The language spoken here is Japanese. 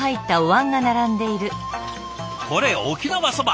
これ沖縄そば！